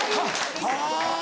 はぁ。